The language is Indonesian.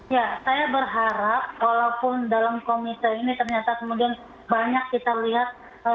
ya saya berharap walaupun dalam komite ini ternyata kemudian banyak kita lihat